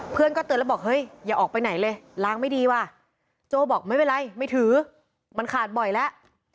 โจ้บอกไม่เป็นไรไม่ถือมันขาดบ่อยแล้ว